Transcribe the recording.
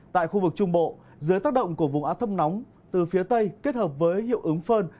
tại khu vực trung bộ dưới tác động của vùng áp thấp nóng từ phía tây kết hợp với hiệu ứng phơn